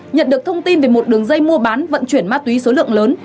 nhận được thông tin về một đường dây mua bán vận chuyển ma túy số lượng lớn